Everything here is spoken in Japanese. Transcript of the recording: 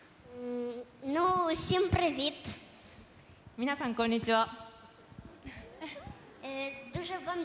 皆さん、こんにちは。